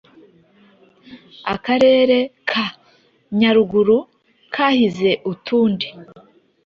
Akarere ka Nyaruguru kahize utundi